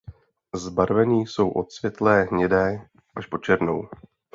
Zbarveni jsou od světle hnědé až po černou.